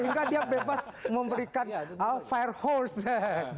sehingga dia bebas memberikan firehose